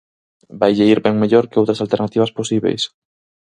Vaille ir ben mellor que outras alternativas posíbeis.